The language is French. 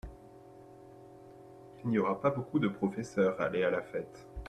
Il n’y aura pas beaucoup de professeurs à aller à la fête.